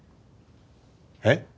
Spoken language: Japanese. えっ？